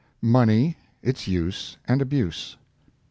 MONEY— ITS USE AND ABUSE.